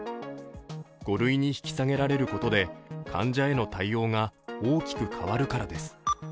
５類に引き下げられることで、患者への対応が大きく変わるからです。